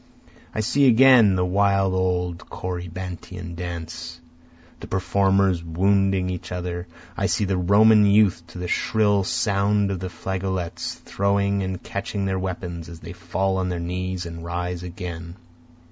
I see again the wild old Corybantian dance, the performers wounding each other, I see the Roman youth to the shrill sound of flageolets throwing and catching their weapons, As they fall on their knees and rise again.